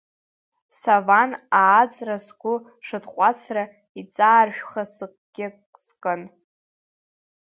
Саван ааҵра сгәы шытҟәацра, иҵааршәха сыкгьы сылан.